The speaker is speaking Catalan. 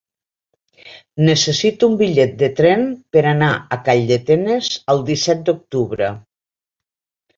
Necessito un bitllet de tren per anar a Calldetenes el disset d'octubre.